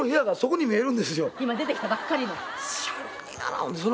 今出てきたばっかりの？